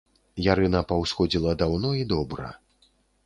Ярына паўсходзіла даўно і добра.